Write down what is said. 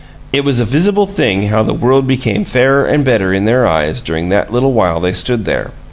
It was a visible thing how the world became fairer and better in their eyes during that little while they stood there.